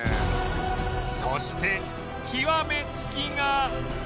そして極めつきが